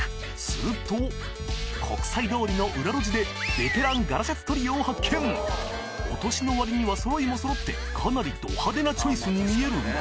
すると国際通りの裏路地でベテランお年のわりには揃いも揃ってかなりド派手なチョイスに見えるが